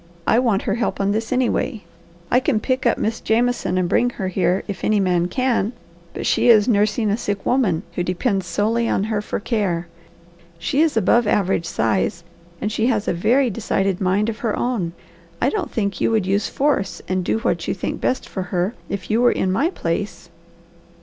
I want her help on this, anyway. I can pick up Miss Jameson and bring her here if any man can, but she is nursing a sick woman who depends solely on her for care. She is above average size, and she has a very decided mind of her own. I don't think you would use force and do what you think best for her, if you were in my place.